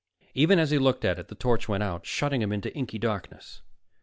Even as he looked at it, the torch went out, shutting him into inky blackness.